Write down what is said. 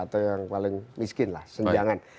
atau yang paling miskin lah senjangan